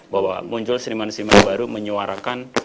bahwa muncul seniman seniman baru menyuarakan